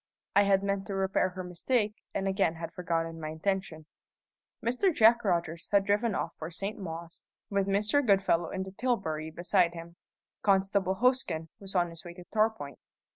I had meant to repair her mistake, and again had forgotten my intention. Mr. Jack Rogers had driven off for St. Mawes, with Mr. Goodfellow in the tilbury beside him. Constable Hosken was on his way to Torpoint.